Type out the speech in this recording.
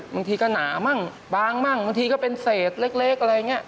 บางทีก็หนามั่งบางมั่งบางทีก็เป็นเศษเล็กอะไรอย่างนี้